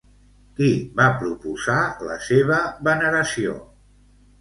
Qui va proposar la seva veneració?